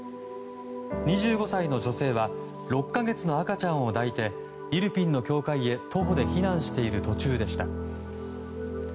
２５歳の女性は６か月の赤ちゃんを抱いてイルピンの教会へ徒歩で避難している途中でした。